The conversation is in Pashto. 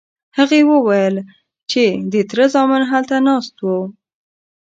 هغې وویل چې د تره زامن هلته ناست وو.